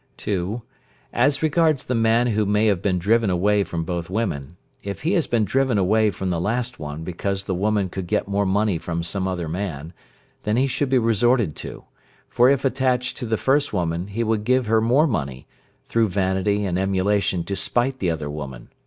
(2). As regards the man who may have been driven away from both women, if he has been driven away from the last one because the woman could get more money from some other man, then he should be resorted to, for if attached to the first woman he would give her more money, through vanity and emulation to spite the other woman.